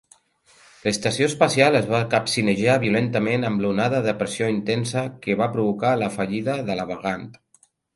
L'estació espacial es va capcinejar violentament amb l'onada de pressió intensa que va provocar la fallida de la bagant.